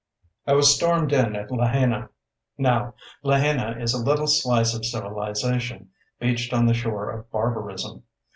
I was stormed in at Lahaina. Now, Lahaina is a little slice of civilization, beached on the shore of barbarism.